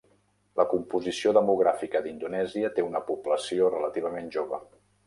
La composició demogràfica d'Indonèsia té una població relativament jove.